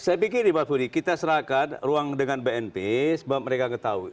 saya pikir nih pak fudy kita serahkan ruang dengan bnp sebab mereka tahu